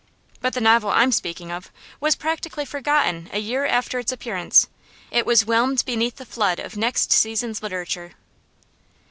But the novel I'm speaking of was practically forgotten a year after its appearance; it was whelmed beneath the flood of next season's literature.